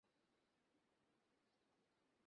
কেমন চলে দিনকাল?